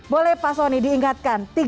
boleh pak sonny diingatkan